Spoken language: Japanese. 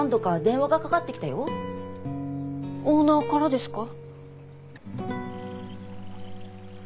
オーナーからですか？